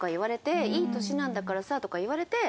「いい年なんだからさ」とか言われて。